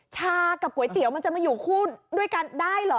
ชากับก๋วยเตี๋ยวมันจะมาอยู่คู่ด้วยกันได้เหรอ